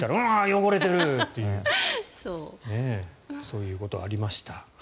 汚れてる！というそういうことありました。